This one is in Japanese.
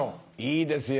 いいですよ